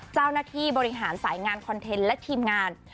เจ้าหน้าที่บริหารสายงานคอนเทนต์และทีมงาน